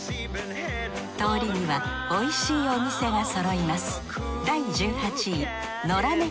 通りにはおいしいお店がそろいます